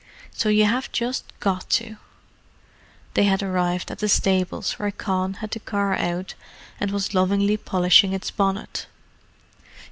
So you have just got to." They had arrived at the stables, where Con had the car out and was lovingly polishing its bonnet.